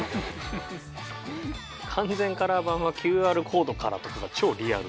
「完全カラー版はＱＲコードから！」とかが超リアル。